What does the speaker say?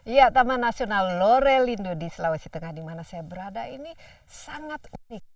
ya taman nasional lore rindu di selawesi tengah di mana saya berada ini sangat unik